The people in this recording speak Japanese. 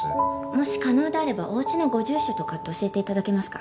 もし可能であればお家のご住所とかって教えて頂けますか？